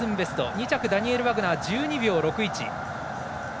２着ダニエル・ワグナー、１２秒６１。